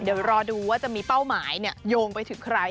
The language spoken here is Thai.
เดี๋ยวรอดูว่าจะมีเป้าหมายโยงไปถึงใคร